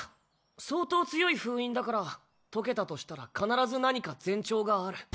相当強い封印だから解けたとしたら必ず何か前兆がある。